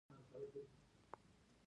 هغه غوښتل چې خلک روښانه شي.